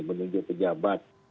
menunjuk ke jabat